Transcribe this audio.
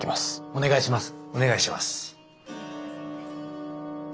お願いします。